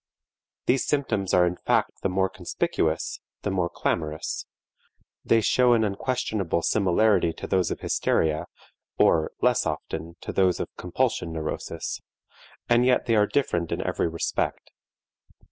These symptoms are in fact the more conspicuous, the more clamorous; they show an unquestionable similarity to those of hysteria, or less often to those of compulsion neurosis, and yet they are different in every respect.